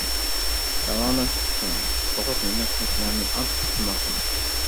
داۋالاش ئۇسۇلى : سوغۇق يېمەكلىكلەرنى ئاز ئىستېمال قىلىش.